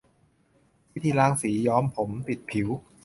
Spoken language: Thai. วิธีล้างสีย้อมผมติดผิว